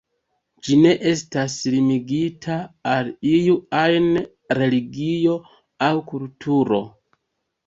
Ĝi ne estas limigita al iu ajn religio aŭ kulturo.